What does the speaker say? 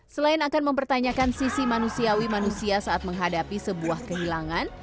selain akan mempertanyakan sisi manusiawi manusia saat menghadapi sebuah kehilangan